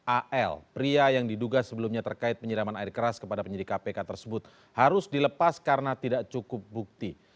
al pria yang diduga sebelumnya terkait penyiraman air keras kepada penyidik kpk tersebut harus dilepas karena tidak cukup bukti